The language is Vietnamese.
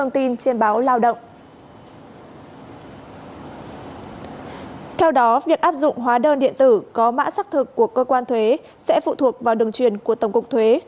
theo đó việc áp dụng hóa đơn điện tử có mã xác thực của cơ quan thuế sẽ phụ thuộc vào đường truyền của tổng cục thuế